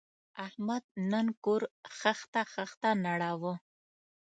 احمد نن کور خښته خښته نړاوه.